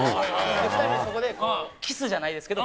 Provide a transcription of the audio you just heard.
２人でそこでキスじゃないですけど。